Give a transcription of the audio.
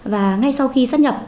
và ngay sau khi sắp nhập